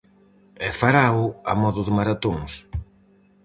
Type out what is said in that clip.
E faráo a modo de maratóns.